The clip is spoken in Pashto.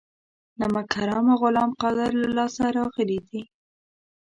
نمک حرامه غلام قادر له لاسه راغلي دي.